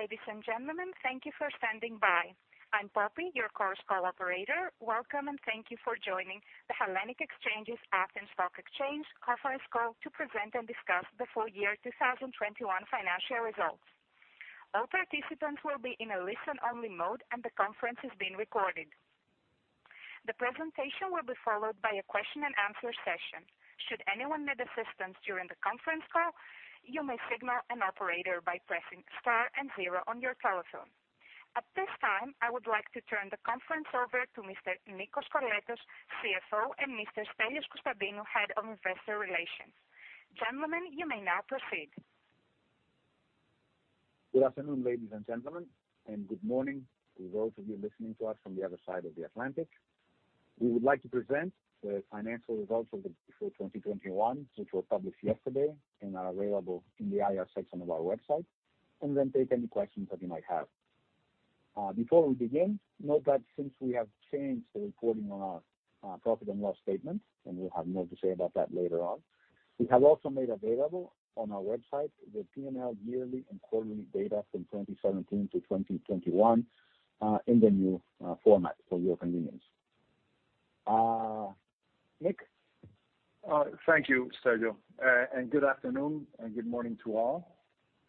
Ladies and gentlemen, thank you for standing by. I'm Poppy, your Chorus Call operator. Welcome and thank you for joining the Hellenic Exchanges - Athens Stock Exchange Conference Call to present and discuss the Full Year 2021 Financial Results. All participants will be in a listen-only mode, and the conference is being recorded. The presentation will be followed by a question-and-answer session. Should anyone need assistance during the conference call, you may signal an operator by pressing star and zero on your telephone. At this time, I would like to turn the conference over to Mr. Nikos Koskoletos, CFO, and Mr. Stelios Konstantinou, Head of Investor Relations. Gentlemen, you may now proceed. Good afternoon, ladies and gentlemen, and good morning to those of you listening to us from the other side of the Atlantic. We would like to present the financial results of the full 2021, which were published yesterday and are available in the IR section of our website, and then take any questions that you might have. Before we begin, note that since we have changed the reporting on our profit and loss statement, and we'll have more to say about that later on, we have also made available on our website the P&L yearly and quarterly data from 2017 to 2021 in the new format for your convenience. Nick? Thank you, Stelios. Good afternoon and good morning to all.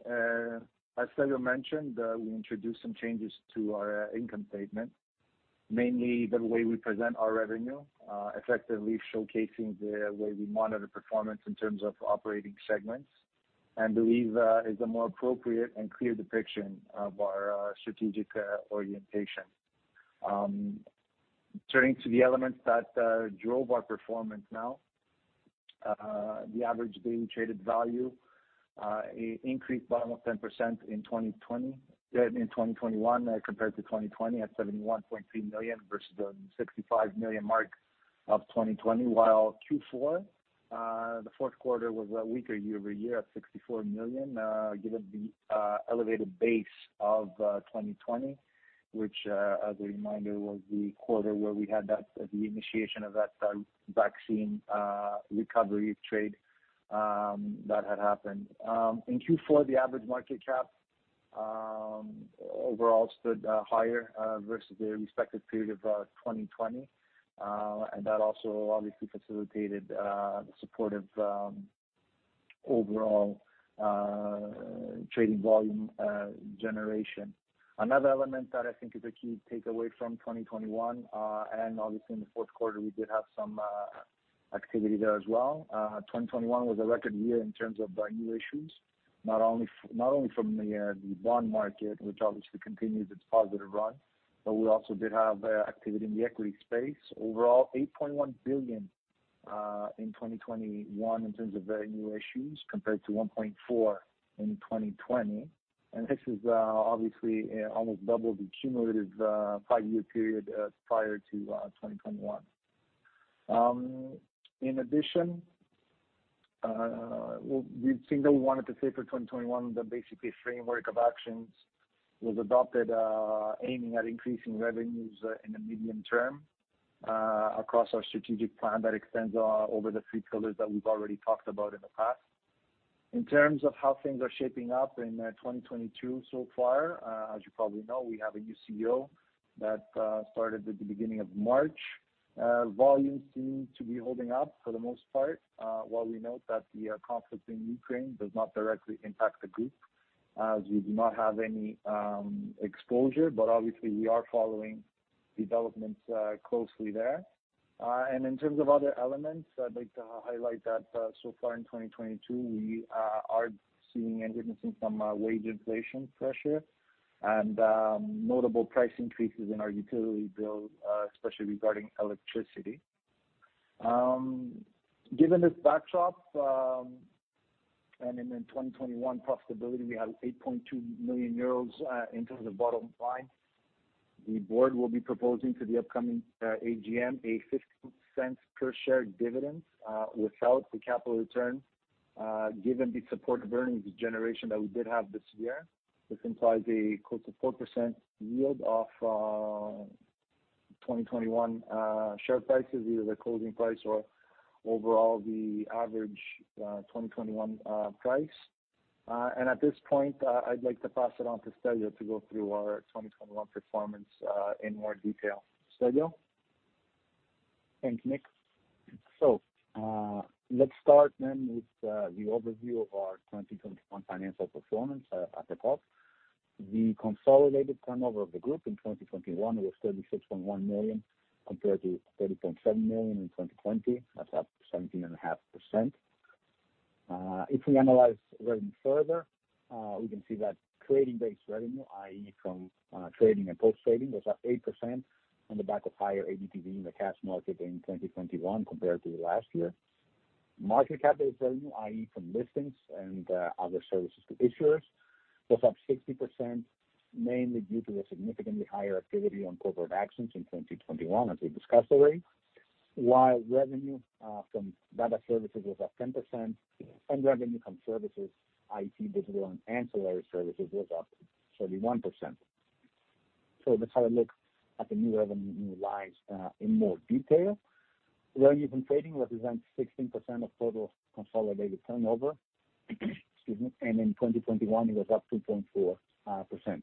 As Stelios mentioned, we introduced some changes to our income statement, mainly the way we present our revenue, effectively showcasing the way we monitor performance in terms of operating segments. We believe it is a more appropriate and clear depiction of our strategic orientation. Turning to the elements that drove our performance. The average daily traded value increased by almost 10% in 2021 compared to 2020 at 71.3 million versus the 65 million mark of 2020. While Q4, the fourth quarter was weaker year over year at 64 million, given the elevated base of 2020, which, as a reminder, was the quarter where we had the initiation of that vaccine recovery trade that had happened. In Q4, the average market cap overall stood higher versus the respective period of 2020. And that also obviously facilitated the support of overall trading volume generation. Another element that I think is a key takeaway from 2021, and obviously in the fourth quarter, we did have some activity there as well. 2021 was a record year in terms of new issues, not only from the bond market, which obviously continued its positive run, but we also did have activity in the equity space. Overall, 8.1 billion in 2021 in terms of new issues compared to 1.4 billion in 2020. This is obviously almost double the cumulative five-year period prior to 2021. In addition, we think that we wanted to say for 2021 that basically framework of actions was adopted, aiming at increasing revenues in the medium term across our strategic plan that extends over the three pillars that we've already talked about in the past. In terms of how things are shaping up in 2022 so far, as you probably know, we have a new CEO that started at the beginning of March. Volumes seem to be holding up for the most part, while we note that the conflict in Ukraine does not directly impact the group as we do not have any exposure. Obviously, we are following developments closely there. In terms of other elements, I'd like to highlight that, so far in 2022, we are seeing and witnessing some wage inflation pressure and notable price increases in our utility bills, especially regarding electricity. Given this backdrop, and in the 2021 profitability, we have 8.2 million euros in terms of bottom line. The board will be proposing to the upcoming AGM a 0.50 per share dividend, without the capital return, given the supportive earnings generation that we did have this year. This implies a close to 4% yield off 2021 share prices, either the closing price or overall the average 2021 price. At this point, I'd like to pass it on to Stelios to go through our 2021 performance in more detail. Stelios? Thanks, Nick. Let's start then with the overview of our 2021 financial performance at the top. The consolidated turnover of the group in 2021 was 36.1 million, compared to 30.7 million in 2020. That's up 17.5%. If we analyze revenue further, we can see that Trading-based revenue, i.e., from Trading and Post-trading, was up 8% on the back of higher ADTV in the cash market in 2021 compared to last year. Market capital value, i.e., from Listing and other services to issuers, was up 60%, mainly due to the significantly higher activity on corporate actions in 2021 as we discussed already. While revenue from Data Services was up 10% and revenue from services, i.e., digital and ancillary services, was up 31%. Let's have a look at the new revenue lines in more detail. Revenue from Trading represents 16% of total consolidated turnover, excuse me, and in 2021, it was up 2.4%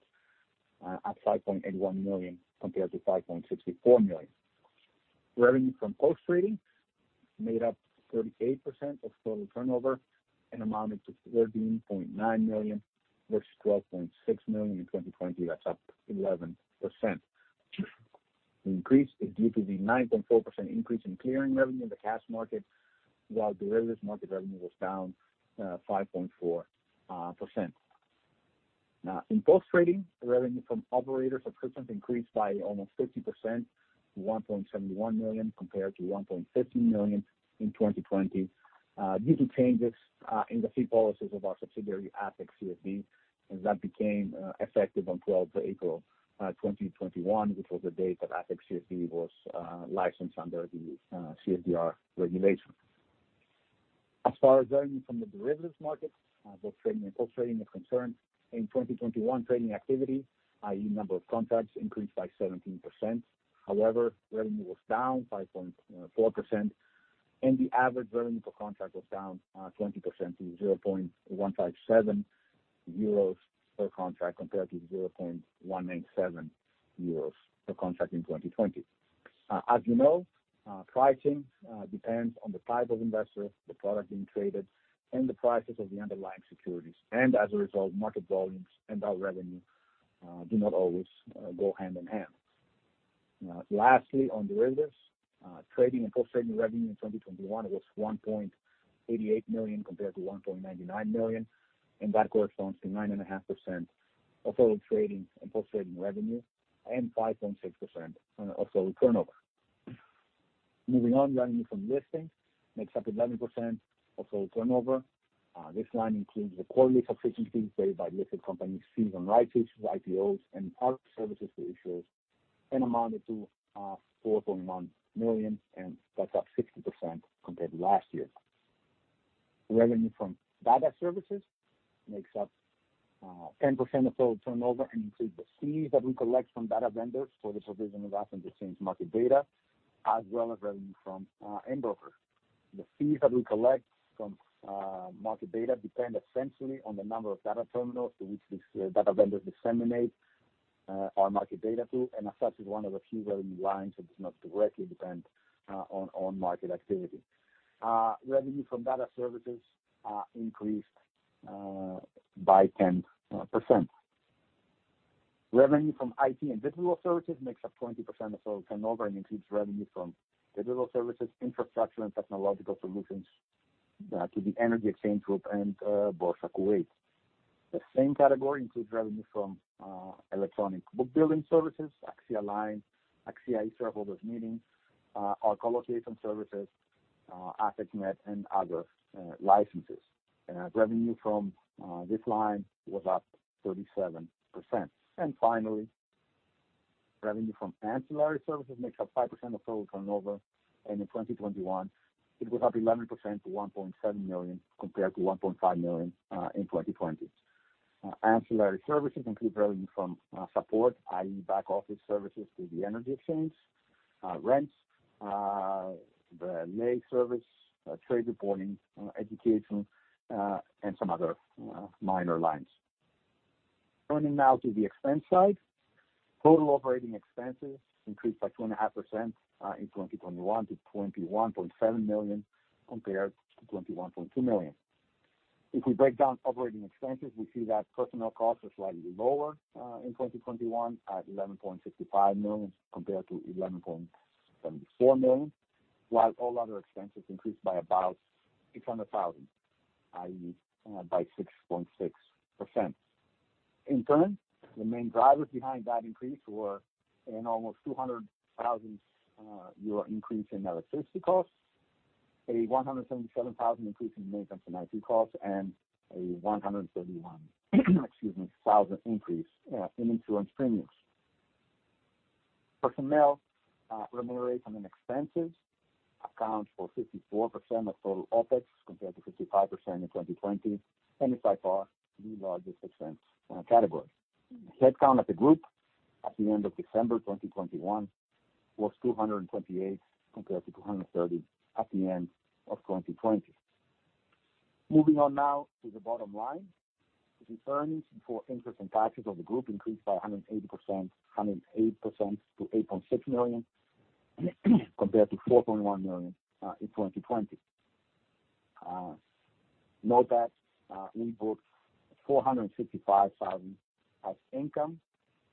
at 5.81 million compared to 5.64 million. Revenue from Post-trading made up 38% of total turnover and amounted to 13.9 million versus 12.6 million in 2020. That's up 11%. The increase is due to the 9.4% increase in clearing revenue in the cash market, while derivatives market revenue was down 5.4%. Now, in Post-trading, the revenue from operator subscriptions increased by almost 50% to 1.71 million compared to 1.50 million in 2020, due to changes in the fee policies of our subsidiary, ATHEXClear, and that became effective on 12th April 2021, which was the date that ATHEXClear was licensed under the CSDR regulation. As far as revenue from the derivatives market, both Trading and Post-trading are concerned, in 2021, trading activity, i.e., number of contracts, increased by 17%. However, revenue was down 5.4%, and the average revenue per contract was down 20% to 0.157 euros per contract compared to 0.197 euros per contract in 2020. As you know, pricing depends on the type of investor, the product being traded, and the prices of the underlying securities. As a result, market volumes and our revenue do not always go hand in hand. Lastly, on derivatives, Trading and Post-trading revenue in 2021 was 1.88 million compared to 1.99 million, and that corresponds to 9.5% of total Trading and Post-trading revenue and 5.6% of total turnover. Moving on, revenue from Listing makes up 11% of total turnover. This line includes the quarterly subscription paid by listed companies, fees on rights issues, IPOs, and other services to issuers, and amounted to 4.9 million, and that's up 60% compared to last year. Revenue from Data Services makes up 10% of total turnover and includes the fees that we collect from data vendors for the provision of Athens Exchange market data, as well as revenue from end users. The fees that we collect from market data depend essentially on the number of data terminals to which these data vendors disseminate our market data to, and as such is one of the few revenue lines that does not directly depend on market activity. Revenue from Data Services increased by 10%. Revenue from IT and digital services makes up 20% of total turnover and includes revenue from digital services, infrastructure and technological solutions to the EnExGroup and Boursa Kuwait. The same category includes revenue from electronic book building services, AXIAline, AXIA e-Shareholders Meeting, our colocation services, ATHEXnet, and other licenses. Revenue from this line was up 37%. Finally, revenue from Ancillary Services makes up 5% of total turnover, and in 2021, it was up 11% to 1.7 million, compared to 1.5 million in 2020. Ancillary Services include revenue from support, i.e., back office services to the energy exchange, rents, the LEI service, trade reporting, education, and some other minor lines. Turning now to the expense side. Total operating expenses increased by 2.5% in 2021 to 21.7 million, compared to 21.2 million. If we break down operating expenses, we see that personnel costs are slightly lower, in 2021 at 11.65 million, compared to 11.74 million, while all other expenses increased by about 600,000, i.e., by 6.6%. In turn, the main drivers behind that increase were an almost 200,000 euro increase in electricity costs, a 177,000 increase in maintenance and IT costs, and a 131,000, excuse me, increase in insurance premiums. Personnel remuneration and expenses account for 54% of total OpEx compared to 55% in 2020, and it's by far the largest expense category. Headcount at the Group at the end of December 2021 was 228 compared to 230 at the end of 2020. Moving on now to the bottom line. The earnings before interest and taxes of the Group increased by 180%, 180% to 8.6 million, compared to 4.1 million in 2020. Note that we booked 455 thousand as income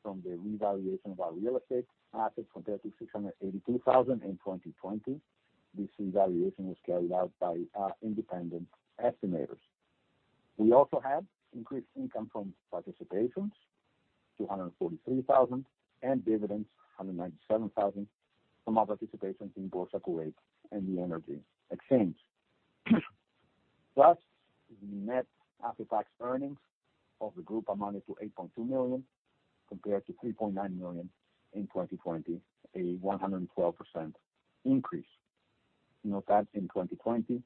from the revaluation of our real estate assets from 3,682 thousand in 2020. This revaluation was carried out by our independent estimators. We also had increased income from participations, 243 thousand, and dividends, 197 thousand, from our participations in Boursa Kuwait and EnExGroup. Thus, the net after-tax earnings of the Group amounted to 8.2 million, compared to 3.9 million in 2020, a 112% increase. Note that in 2020,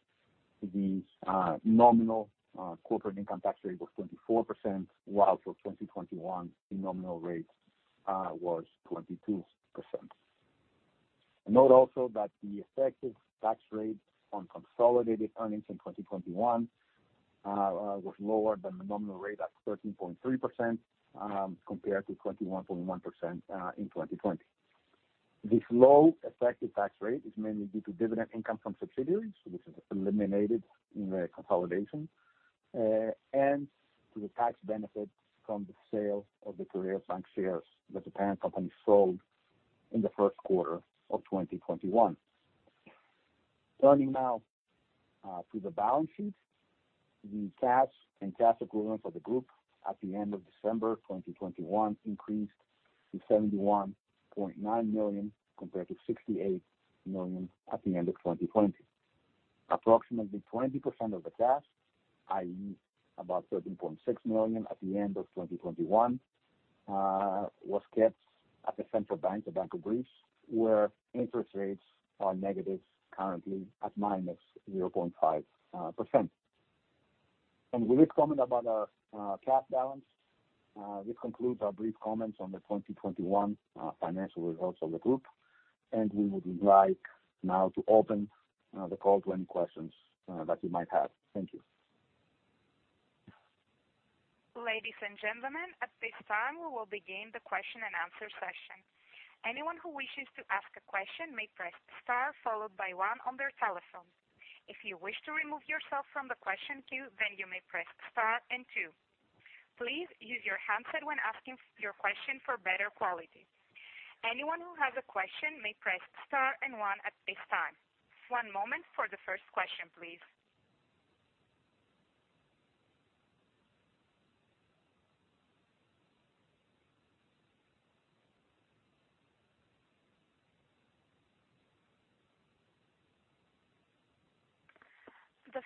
the nominal corporate income tax rate was 24%, while for 2021 the nominal rate was 22%. Note also that the effective tax rate on consolidated earnings in 2021 was lower than the nominal rate at 13.3%, compared to 21.1% in 2020. This low effective tax rate is mainly due to dividend income from subsidiaries, which is eliminated in the consolidation, and to the tax benefit from the sale of the Career Bank shares that the parent company sold in the first quarter of 2021. Turning now to the balance sheet. The cash and cash equivalents for the group at the end of December 2021 increased to 71.9 million, compared to 68 million at the end of 2020. Approximately 20% of the cash, i.e., about 13.6 million at the end of 2021, was kept at the Bank of Greece, where interest rates are negative, currently at -0.5%. With this comment about our cash balance, this concludes our brief comments on the 2021 financial results of the group. We would like now to open the call to any questions that you might have. Thank you. Ladies and gentlemen, at this time we will begin the question-and-answer session. Anyone who wishes to ask a question may press star followed by one on their telephone. If you wish to remove yourself from the question queue, then you may press star and two. Please use your handset when asking your question for better quality. Anyone who has a question may press star and one at this time. One moment for the first question, please.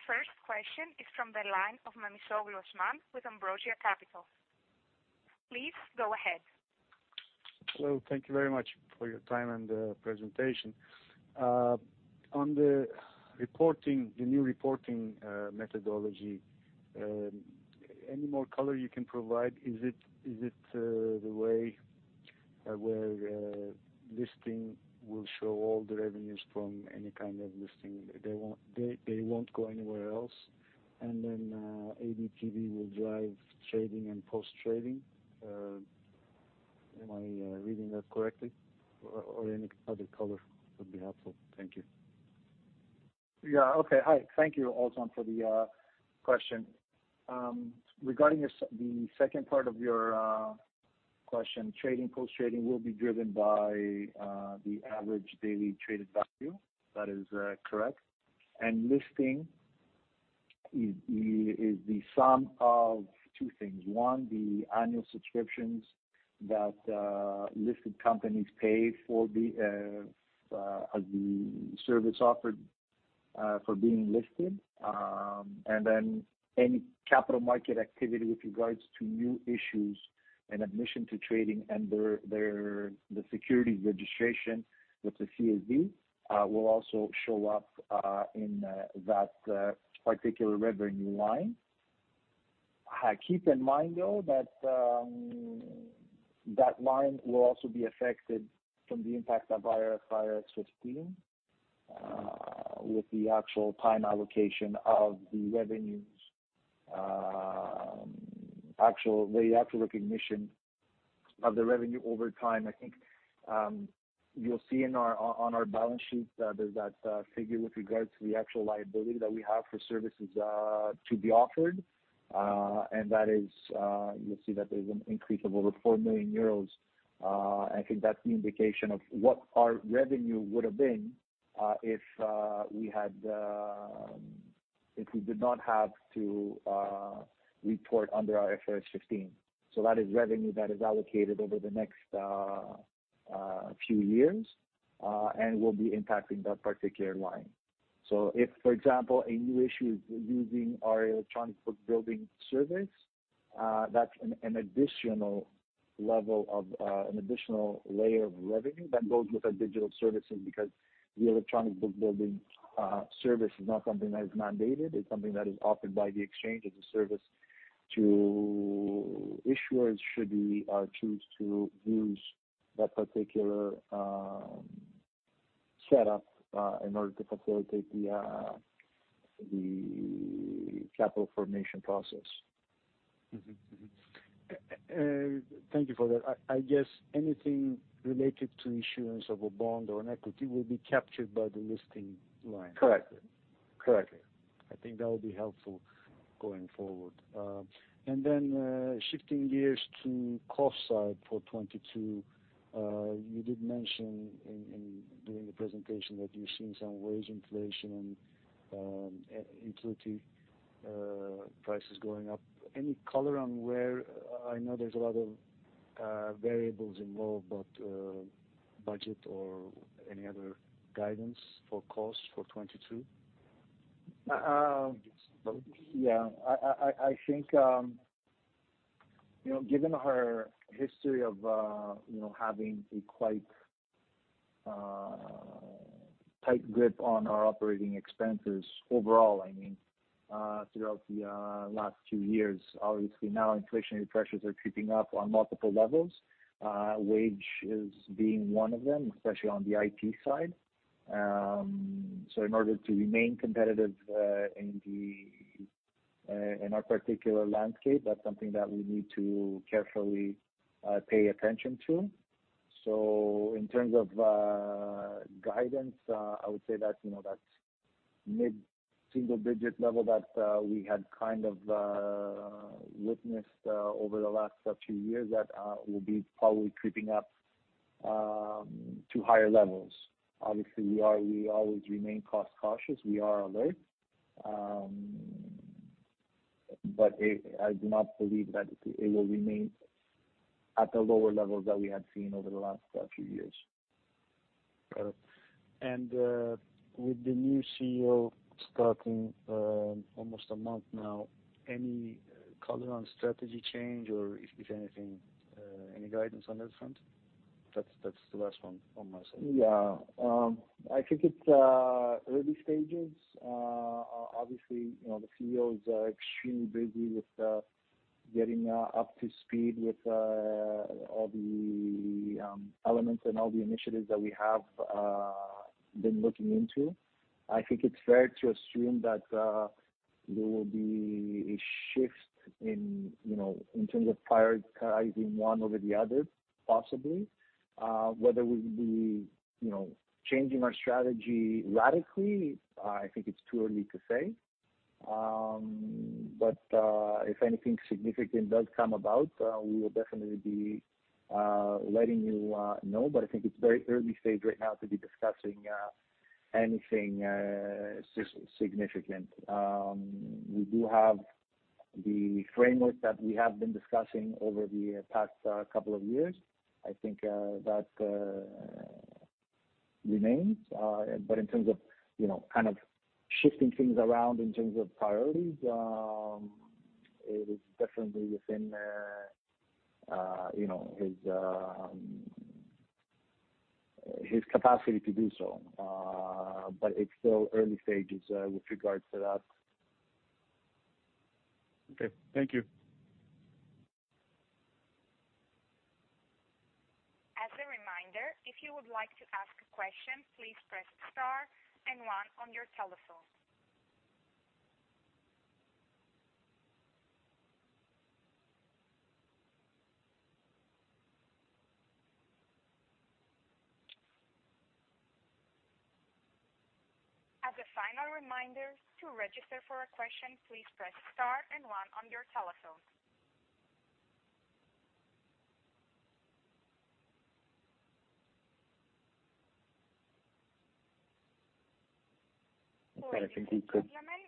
The first question is from the line of Osman Memisoglou with Ambrosia Capital. Please go ahead. Hello. Thank you very much for your time and the presentation. On the reporting, the new reporting methodology, any more color you can provide? Is it the way where Listing will show all the revenues from any kind of listing? They won't go anywhere else, and then ADTV will drive Trading and Post-trading. Am I reading that correctly, or any other color would be helpful? Thank you. Yeah. Okay. Hi. Thank you, Osman, for the question. Regarding the second part of your question, Trading, Post-trading will be driven by the Average Daily Traded Value. That is correct. Listing is the sum of two things. One, the annual subscriptions that listed companies pay for the service offered for being listed. Any capital market activity with regards to new issues and admission to trading and the securities registration with the CSD will also show up in that particular revenue line. Keep in mind, though, that line will also be affected from the impact of IFRS 15 with the actual time allocation of the revenues, the actual recognition of the revenue over time. I think you'll see on our balance sheet there's that figure with regards to the actual liability that we have for services to be offered. That is, you'll see that there's an increase of over 4 million euros. I think that's the indication of what our revenue would have been if we did not have to report under IFRS 15. That is revenue that is allocated over the next few years and will be impacting that particular line. If, for example, a new issue is using our electronic book building service, that's an additional layer of revenue that goes with our digital services, because the electronic book building service is not something that is mandated. It's something that is offered by the exchange as a service to issuers should we choose to use that particular setup in order to facilitate the capital formation process. Thank you for that. I guess anything related to issuance of a bond or an equity will be captured by the Listing line. Correct. Okay. I think that would be helpful going forward. Shifting gears to cost side for 2022. You did mention during the presentation that you're seeing some wage inflation and energy prices going up. Any color on where? I know there's a lot of variables involved, but budget or any other guidance for cost for 2022? Yeah. I think you know, given our history of you know, having a quite tight grip on our operating expenses overall, I mean throughout the last two years. Obviously, now inflationary pressures are creeping up on multiple levels, wages being one of them, especially on the IT side. In order to remain competitive in our particular landscape, that's something that we need to carefully pay attention to. In terms of guidance, I would say that you know, that mid-single digit level that we had kind of witnessed over the last few years, that will be probably creeping up to higher levels. Obviously, we always remain cost cautious. We are alert. I do not believe that it will remain at the lower levels that we had seen over the last few years. Got it. With the new CEO starting almost a month now, any color on strategy change or if anything any guidance on that front? That's the last one on my side. Yeah. I think it's early stages. Obviously, you know, the CEO is extremely busy with getting up to speed with all the elements and all the initiatives that we have been looking into. I think it's fair to assume that there will be a shift in terms of prioritizing one over the other, possibly. Whether we'll be changing our strategy radically, I think it's too early to say. If anything significant does come about, we will definitely be letting you know. I think it's very early stage right now to be discussing anything significant. We do have the framework that we have been discussing over the past couple of years. I think that remains. In terms of, you know, kind of shifting things around in terms of priorities, it is definitely within, you know, his capacity to do so. It's still early stages, with regards to that. Okay. Thank you. As a reminder, if you would like to ask a question, please press star and one on your telephone. As a final reminder, to register for a question, please press star and one on your telephone. Operator, can you? Ladies and gentlemen,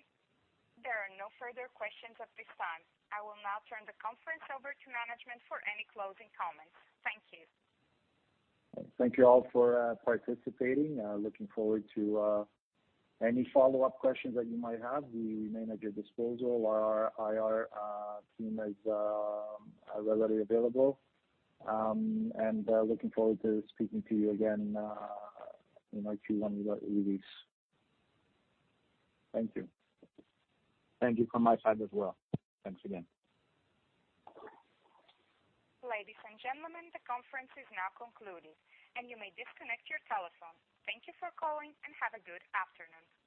there are no further questions at this time. I will now turn the conference over to management for any closing comments. Thank you. Thank you all for participating. Looking forward to any follow-up questions that you might have. We remain at your disposal. Our IR team is readily available and looking forward to speaking to you again in our Q1 results release. Thank you. Thank you from my side as well. Thanks again. Ladies and gentlemen, the conference is now concluded, and you may disconnect your telephone. Thank you for calling, and have a good afternoon.